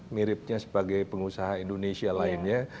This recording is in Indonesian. miripnya sebagai pengusaha indonesia lainnya